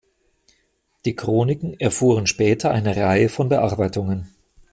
Die Chroniken erfuhren später eine Reihe von Bearbeitungen.